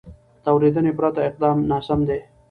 د اورېدنې پرته اقدام ناسم دی.